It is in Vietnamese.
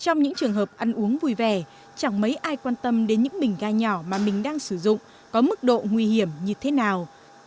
trong những trường hợp ăn uống vui vẻ chẳng mấy ai quan tâm đến những bình ga nhỏ mà mình đang sử dụng có mức độ nguy hiểm như thế nào